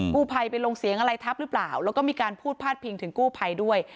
กู้ภัยไปลงเสียงอะไรทับหรือเปล่าแล้วก็มีการพูดพาดพิงถึงกู้ภัยด้วย